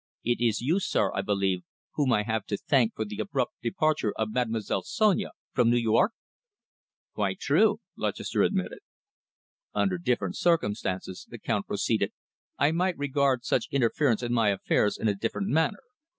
"It is you, sir, I believe, whom I have to thank for the abrupt departure of Mademoiselle Sonia from New York?" "Quite true," Lutchester admitted. "Under different circumstances," the Count proceeded, "I might regard such interference in my affairs in a different manner.